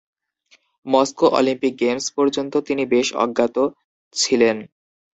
Moscow Olympic games পর্যন্ত তিনি বেশ অজ্ঞাত ছিলেন।